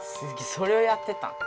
それをやってたん？